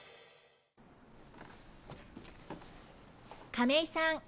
亀井さん。